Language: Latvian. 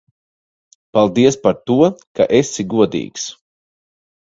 Paldies par to, ka esi godīgs.